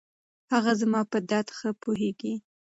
هغه زما په درد ښه پوهېږي.